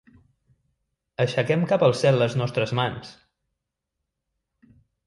Aixequem cap al cel les nostres mans!